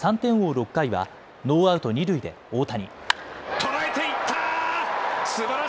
６回はノーアウト二塁で大谷。